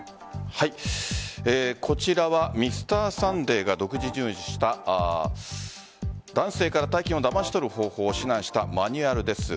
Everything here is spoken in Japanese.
こちらは「Ｍｒ．サンデー」が独自入手した男性から大金をだまし取る方法を指南したマニュアルです。